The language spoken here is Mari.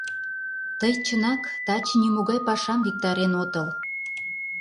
Тый, чынак, таче нимогай пашам виктарен отыл!